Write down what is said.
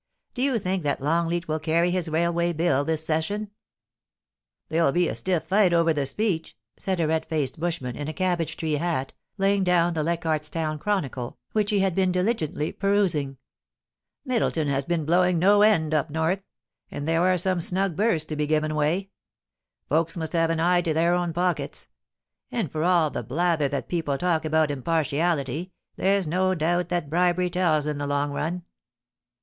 Do you think that Longleat will carry his railway bill this session ?There'll be a stiff fight over the Speech,' said a red faced bushman, in a cabbage tree hat, laying down the Lcichardfs Town Chronicle^ which he had been diligently perusing. * Middleton has been blowing no end, up north ; and there are some snug berths to be given away. Folks must have an eye to their own pockets ; and for all the blather that people talk about impartiality, there's no doubt that bribery tells in the long run.'